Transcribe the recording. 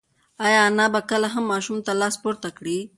ایا انا به بیا کله هم ماشوم ته لاس پورته کړي؟